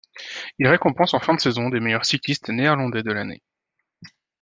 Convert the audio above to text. Il récompense en fin de saison les meilleurs cyclistes néerlandais de l'année.